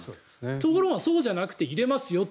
ところがそうじゃなくて入れますよと。